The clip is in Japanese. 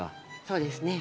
そうですね。